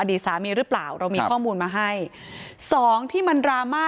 ดีสามีหรือเปล่าเรามีข้อมูลมาให้สองที่มันดราม่า